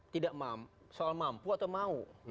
tidak mampu atau mau